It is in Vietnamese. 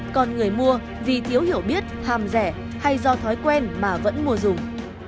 còn người mua vì thiếu hiểu biết hàm rẻ hay do thói quen mà vẫn mua dùng